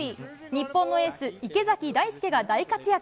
日本のエース、池崎大輔が大活躍。